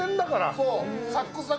そう。